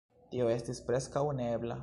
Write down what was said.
Tio estis preskaŭ neebla!